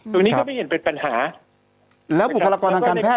ตรงนี้ก็ไม่เห็นเป็นปัญหาแล้วบุคลากรทางการแพทย